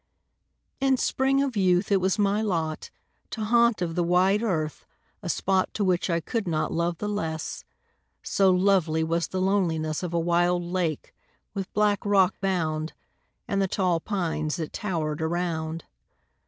In spring of youth it was my lot To haunt of the wide world a spot The which I could not love the less So lovely was the loneliness Of a wild lake, with black rock bound, And the tall pines that towered around.